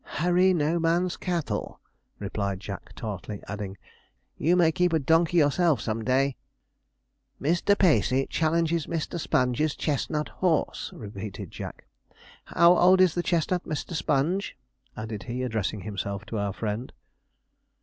'Hurry no man's cattle,' replied Jack tartly, adding, 'you may keep a donkey yourself some day.' 'Mr. Pacey challenges Mr. Sponge's chestnut horse,' repeated Jack. 'How old is the chestnut, Mr. Sponge?' added he, addressing himself to our friend.